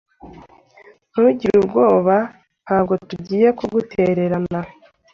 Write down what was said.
Ntugire ubwoba. Ntabwo tugiye kugutererana.